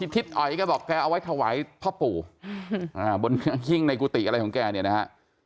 ทิศอ๋อยแกบอกแกเอาไว้ถวายพ่อปู่บนหิ้งในกุฏิอะไรของแกเนี่ยนะฮะ